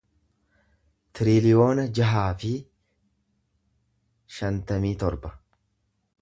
tiriliyoona jaha fi shantamii torba